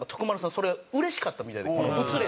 それうれしかったみたいで映れたし。